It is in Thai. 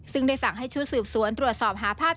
ซึ่งได้สั่งให้ชุดสืบสวนตรวจสอบหาภาพ